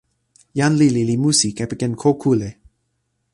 jan lili li musi kepeken ko kule.